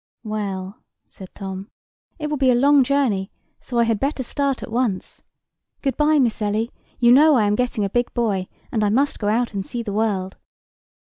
"Well," said Tom, "it will be a long journey, so I had better start at once. Good bye, Miss Ellie; you know I am getting a big boy, and I must go out and see the world."